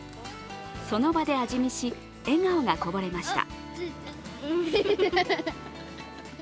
その場で味見し、笑顔がこぼれました。